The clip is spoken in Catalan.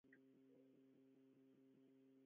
La mineria d'or continua fins a l'actualitat.